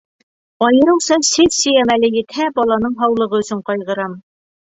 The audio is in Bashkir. Айырыуса сессия мәле етһә, баланың һаулығы өсөн ҡайғырам.